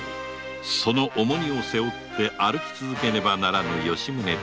その重荷を背負って歩き続けねばならぬ吉宗であった